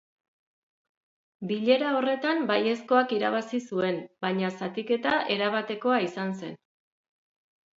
Bilera horretan baiezkoak irabazi zuen, baina zatiketa erabatekoa izan zen.